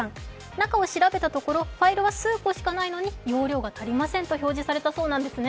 中を調べたところファイルは数個しかないのに、表示が足りませんと表示されたそうです。